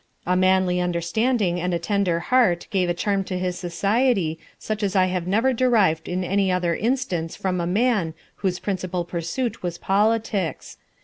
A manly understanding and a tender heart gave a charm to his society such as I have never derived in any other instance from a man whose principal pursuit was politics.